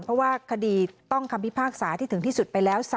เพราะว่าคดีต้องคำพิพากษาที่ถึงที่สุดไปแล้ว